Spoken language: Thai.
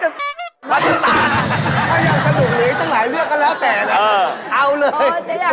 ปลานี่ปลาโออะ